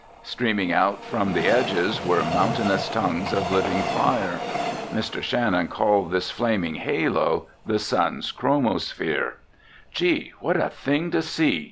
Streaming out from the edges were mountainous tongues of living fire. Mr. Shannon called this flaming halo the sun's chromosphere. "Gee, what a thing to see!"